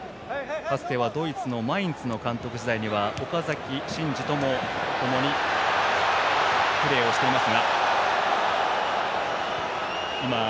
かつては、ドイツのマインツの監督時代には岡崎慎司と共にプレーしています。